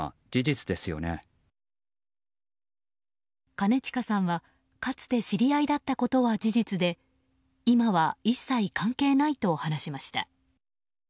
兼近さんは、かつて知り合いだったことは事実で今は一切関係ないと話しました。